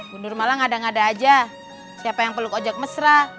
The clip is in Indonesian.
gundur malang ngada ngada aja siapa yang peluk ojek mesra